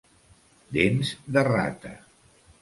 Dents de rata.